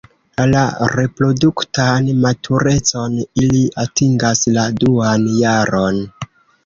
La reproduktan maturecon ili atingas la duan jaron.